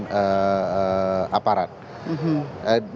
sehingga mereka tidak akan membuat kecepatan